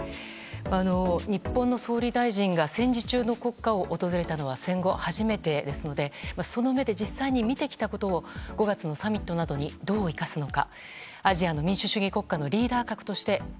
日本の総理大臣が戦時中の国家を訪れたのは戦後初めてですのでその目で実際に見てきたことを５月のサミットなどにどう生かすのか。